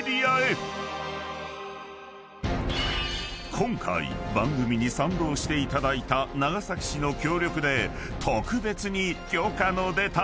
［今回番組に賛同していただいた長崎市の協力で特別に許可の出たエリアに］